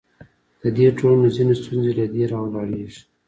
د دې ټولنو ځینې ستونزې له دې راولاړېږي.